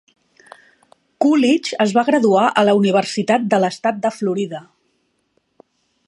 Coolidge es va graduar a la Universitat de l'Estat de Florida.